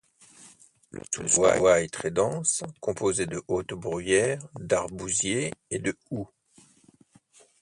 Le sous-bois est très dense, composé de hautes bruyères, d'arbousiers et de houx.